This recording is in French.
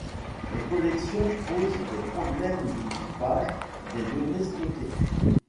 Les collections posent des problèmes de typage des données stockées.